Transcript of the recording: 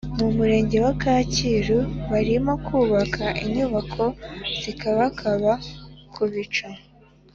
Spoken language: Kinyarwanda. Mu murenge wa kacyiru barimo kubaka inyubako zikabakaba kubicu